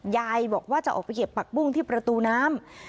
ยายบอกว่าจะออกไปเก็บผักบุ้งที่ประตูน้ำ